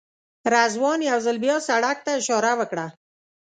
رضوان یو ځل بیا سړک ته اشاره وکړه.